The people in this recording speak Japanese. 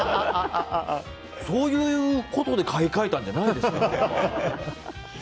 そういうことで買い替えたんじゃないですから。